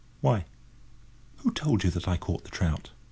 "Why, who told you I caught that trout!"